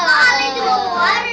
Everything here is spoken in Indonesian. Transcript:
aduh kok ali juga buka rade